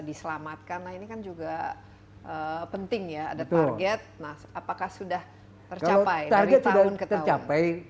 diselamatkan nah ini kan juga penting ya ada target nah apakah sudah tercapai target tercapai